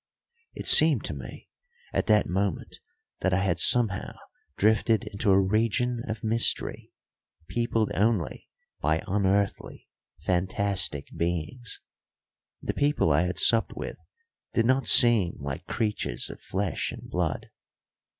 It seemed to me at that moment that I had somehow drifted into a region of mystery, peopled only by unearthly, fantastic beings. The people I had supped with did not seem like creatures of flesh and blood.